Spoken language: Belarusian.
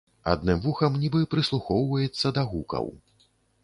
Адным вухам нібы прыслухоўваецца да гукаў.